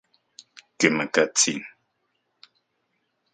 Kemakatsin.